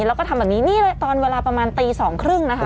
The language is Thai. แล้วก็ทำแบบนี้นี่เลยตอนเวลาประมาณตีสองครึ่งนะคะ